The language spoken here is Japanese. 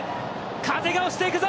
風が押していくぞ。